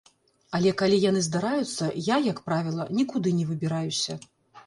Але калі яны здараюцца, я, як правіла, нікуды не выбіраюся.